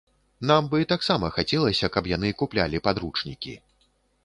Нам бы таксама хацелася, каб яны куплялі падручнікі.